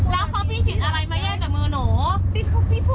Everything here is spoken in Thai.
แล้วเขาพิจิตอะไรมาแย่จากมือหนู